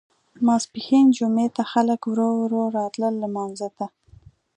ماسپښین جمعې ته خلک ورو ورو راتلل لمانځه ته.